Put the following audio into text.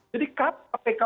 jadi kalau kpk